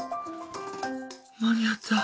間に合った。